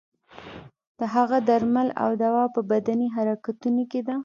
د هغه درمل او دوا په بدني حرکتونو کې ده.